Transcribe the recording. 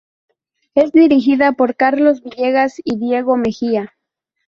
Es dirigida por Carlos Villegas y Diego Mejía.